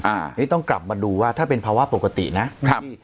อันนี้ต้องกลับมาดูว่าถ้าเป็นภาวะปกตินะครับ